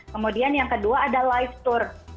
kemudian yang kedua ada life tour